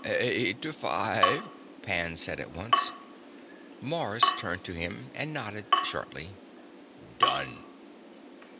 "Eight to five," Pan said at once. Mars turned to him and nodded shortly. "Done."